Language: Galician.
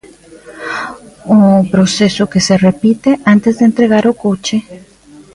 Un proceso que se repite antes de entregar o coche.